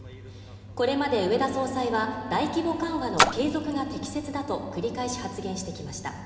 これまで植田総裁は大規模緩和の継続が適切だと繰り返し発言してきました。